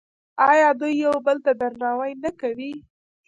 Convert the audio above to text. آیا دوی یو بل ته درناوی نه کوي؟